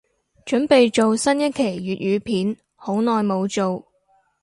凖備做新一期粤語片，好耐無做